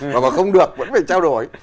thì bà không được vẫn phải trao đổi